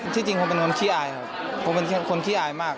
จริงผมเป็นคนขี้อายครับผมเป็นคนขี้อายมาก